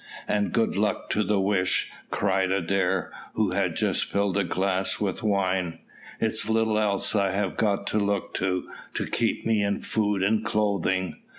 "And good luck to the wish," cried Adair, who had just filled a glass with wine. "It's little else I have got to look to to keep me in food and clothing.